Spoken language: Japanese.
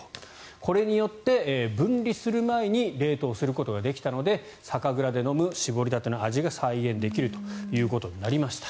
これによって分離する前に冷凍することができたので酒蔵で飲む搾りたての味が再現できることになりました。